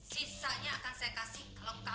sisanya akan saya kasih kalau kamu gak gagal